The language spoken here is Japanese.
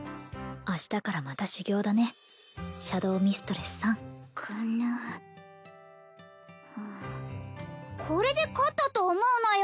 明日からまた修行だねシャドウミストレスさんぐぬこれで勝ったと思うなよ